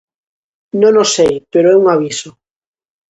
Non o sei, pero é un aviso.